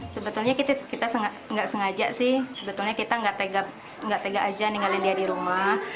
sebetulnya kita nggak sengaja sih sebetulnya kita nggak tega aja ninggalin dia di rumah